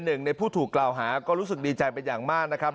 หนึ่งในผู้ถูกกล่าวหาก็รู้สึกดีใจเป็นอย่างมากนะครับ